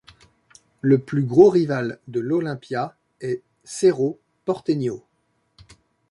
Le plus gros rival de l'Olimpia est Cerro Porteño.